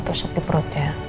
terus di perutnya